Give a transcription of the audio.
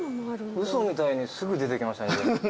嘘みたいにすぐ出てきましたね。